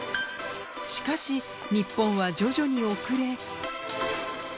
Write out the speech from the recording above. しかし、日本は徐々に遅れ。